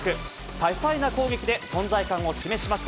多彩な攻撃で存在感を示しました。